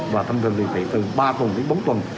và thông thường điều trị từ ba tuần đến bốn tuần